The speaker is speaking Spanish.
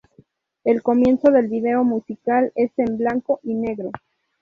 El comienzo del video musical es en blanco y negro.